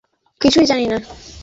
আমরা কিছুই জানি না।